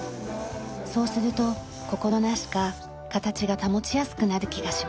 そうすると心なしか形が保ちやすくなる気がします。